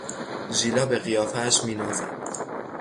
ژیلا به قیافهاش مینازد.